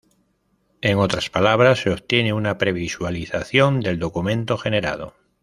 En otras palabras se obtiene una previsualización del documento generado.